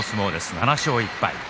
７勝１敗。